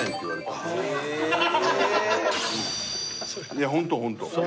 いやホントホント。